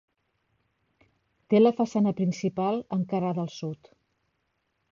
Té la façana principal encarada al sud.